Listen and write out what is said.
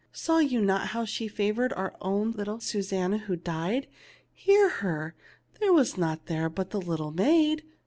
Saw you not how she favored our little Susanna who died ? Hear her ! There was naught there but the little maid.